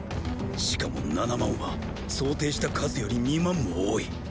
しかも七万は想定した数より二万も多い。